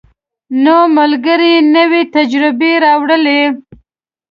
نوی ملګری نوې تجربې راولي